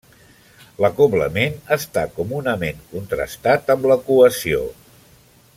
L'acoblament està comunament contrastat amb la cohesió.